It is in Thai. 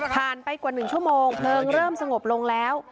ไปกว่า๑ชั่วโมงเพลิงเริ่มสงบลงแล้ว